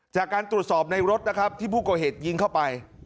จากการตรวจสอบในรถนะครับที่ผู้ก่อเหตุยิงเข้าไป